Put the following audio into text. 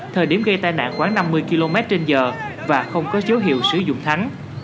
thời điểm gây tai nạn khoảng năm mươi km trên giờ và không có dấu hiệu sử dụng thắng